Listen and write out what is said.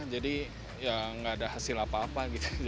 jadi ya nggak ada hasil apa apa